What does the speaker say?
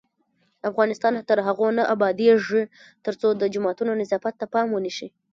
افغانستان تر هغو نه ابادیږي، ترڅو د جوماتونو نظافت ته پام ونشي.